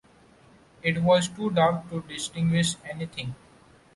It was too dark to distinguish anything.